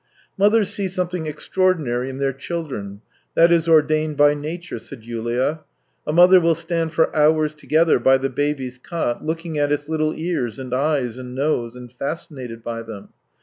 ' Mothers see something extraordinary in their children, that is ordained by nature," said Yulia. " A mother will stand for hours together by the baby's cot looking at its little ears and eyes and nose, and fascinated by them.